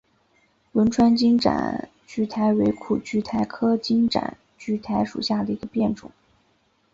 汶川金盏苣苔为苦苣苔科金盏苣苔属下的一个变种。